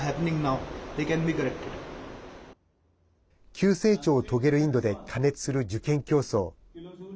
急成長を遂げるインドで過熱する受験競争。